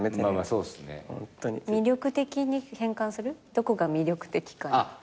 「どこが魅力的か」に。